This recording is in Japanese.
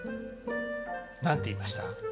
何て言いました？